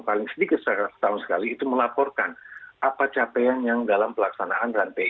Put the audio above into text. paling sedikit setiap tahun sekali itu melaporkan apa capaian yang dalam pelaksanaan ranpe